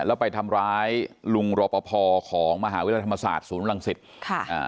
แล้วไปทำร้ายลุงรอปภของมหาวิทยาลัยธรรมศาสตร์ศูนย์รังสิตค่ะอ่า